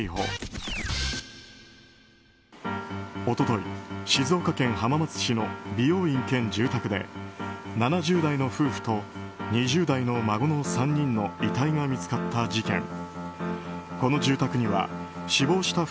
一昨日静岡県浜松市の美容院兼住宅で７０代の夫婦と２０代の孫の３人の遺体が見つかった事件。